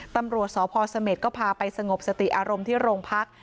ตำรวจสพเสม็ดก็พาไปสงบสติอารมณ์ที่โรงพัก